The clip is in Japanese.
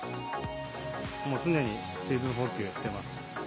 もう常に水分補給してます。